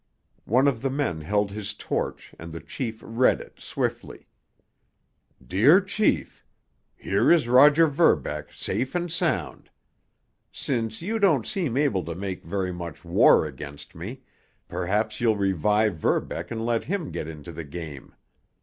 One of the men held his torch, and the chief read it swiftly: Dear Chief: Here is Roger Verbeck safe and sound. Since you don't seem able to make very much war against me, perhaps you'll revive Verbeck and let him get into the game.